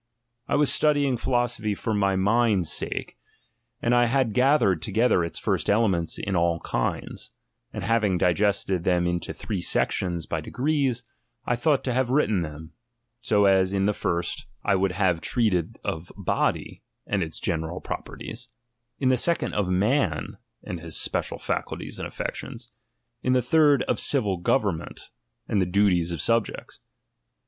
I was studying philosophy for my mind salte, and I had gathered together its first elements in all kinds; and having digested them into three sections by degrees, I ithought to have written them, so as in the first SX THE PREFACE I would have treated of body and its geuera perties ; in the second of man and his special faculties and affections; in the third, of chil go vernment and the duties of subjects.